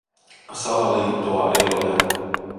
Salaliittoa ei ole.